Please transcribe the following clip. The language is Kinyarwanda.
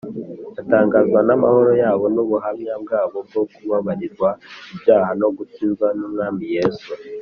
Atangazwa n’amahoro yabo n’ubuhamya bwabo bwo kubabarirwa ibyaha no gukizwa n’Umwami Yesu